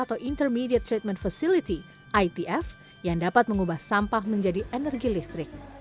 atau intermediate treatment facility itf yang dapat mengubah sampah menjadi energi listrik